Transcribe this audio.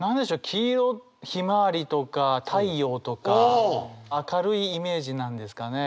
黄色ひまわりとか太陽とか明るいイメージなんですかね？